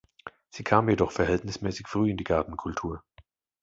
Sie kam jedoch verhältnismäßig früh in die Gartenkultur.